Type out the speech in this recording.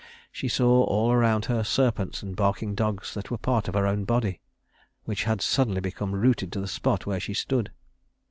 She saw all around her serpents and barking dogs that were part of her own body, which had suddenly become rooted to the spot where she stood.